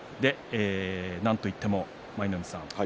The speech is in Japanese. なんといっても舞の海さん